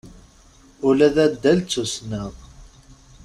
Ula d addal d tussna.